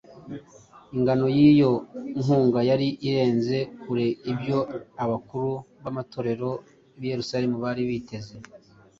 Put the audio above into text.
Ingano y’iyo nkunga yari irenze kure ibyo abakuru b’amatorero b’i Yerusalemu bari biteze